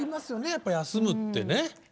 やっぱ休むってね。